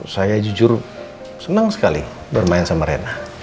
saya jujur senang sekali bermain sama rena